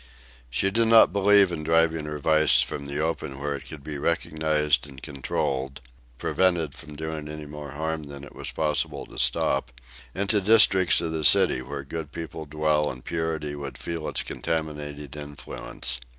She did not believe in driving her vice from the open where it could be recognized and controlled prevented from doing any more harm than it was possible to stop into districts of the city where good people dwell and purity would feel its contaminating influence.